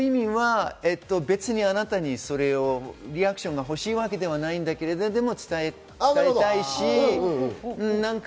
別にあなたにそれのリアクションが欲しいわけではないけど伝えたいし。